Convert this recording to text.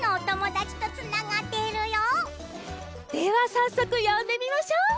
さっそくよんでみましょう。